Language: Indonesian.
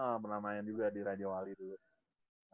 udah pernah main juga di raja wali dulu